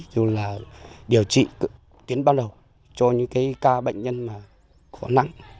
dù là điều trị tiến ban đầu cho những cái ca bệnh nhân khó nắng